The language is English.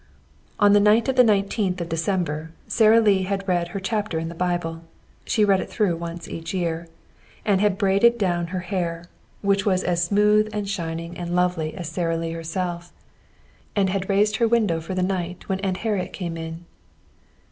On the night of the nineteenth of December Sara Lee had read her chapter in the Bible she read it through once each year and had braided down her hair, which was as smooth and shining and lovely as Sara Lee herself, and had raised her window for the night when Aunt Harriet came in.